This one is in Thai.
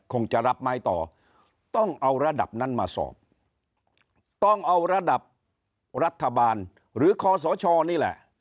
จะรับไม้ต่อต้องเอาระดับนั้นมาสอบต้องเอาระดับรัฐบาลหรือคอสชนี่แหละ